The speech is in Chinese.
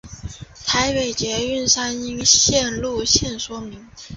台北捷运三莺线路线说明